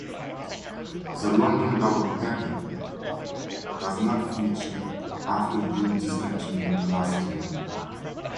The London Double Header does not feature after being discontinued last year.